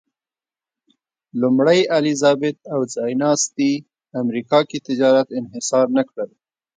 لومړۍ الیزابت او ځایناستي امریکا کې تجارت انحصار نه کړل.